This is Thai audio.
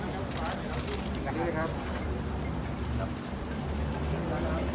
สรุปกันโทษ